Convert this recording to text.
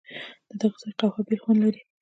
ددغه ځای قهوه بېل خوند لري.